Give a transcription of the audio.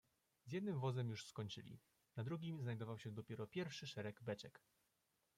"Z jednym wozem już skończyli, na drugim znajdował się dopiero pierwszy szereg beczek."